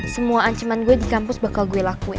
semua ancaman gue di kampus bakal gue lakuin